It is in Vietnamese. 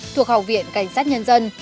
thuộc học viện cảnh sát nhân dân